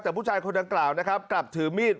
แต่ผู้ชายคนดังกล่าวนะครับกลับถือมีด